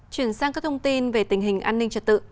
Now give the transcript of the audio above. chuyển sang các thông tin về tình hình an ninh trật tự